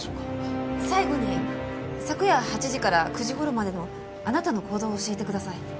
最後に昨夜８時から９時頃までのあなたの行動を教えてください。